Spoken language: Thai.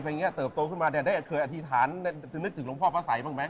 ระหว่างเรียนไปเติบโตขึ้นมาได้เคยอธิษฐานจะนึกถึงหลวงพ่อพระสัยบ้างไหม